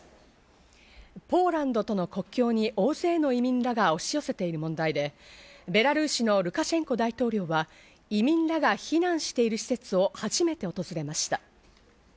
ポーランドとの国境に大勢の移民らが押し寄せている問題で、ベラルーシのルカシェンコ大統領は移民らが避難している施設を初めて訪れました。